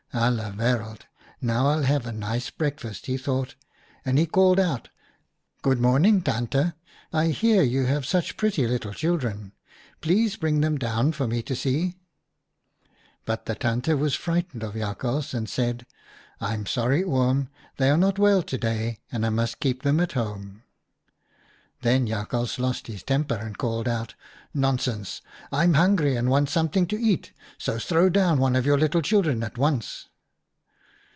"' Alia wereld ! Now I'll have a nice breakfast,' he thought, and he called out, 1 Good morning, Tante. I hear you have such pretty little children. Please bring them down for me to see.' " But the Tante was frightened of Jakhals, and said, ' I'm sorry, Oom, they are not well to day, and I must keep them at home.' " Then Jakhals lost his temper, and called out, * Nonsense, I'm hungry and want some thing to eat, so throw down one of your little children at once.'